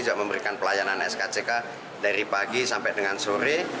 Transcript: juga memberikan pelayanan skck dari pagi sampai dengan sore